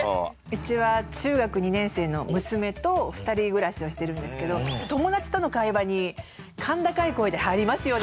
うちは中学２年生の娘と２人暮らしをしてるんですけど友達との会話に甲高い声で入りますよね。